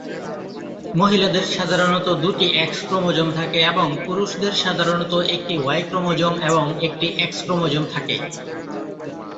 মহিলাদের সাধারণত দুটি এক্স ক্রোমোজোম থাকে এবং পুরুষদের সাধারণত একটি ওয়াই ক্রোমোজোম এবং একটি এক্স ক্রোমোজোম থাকে।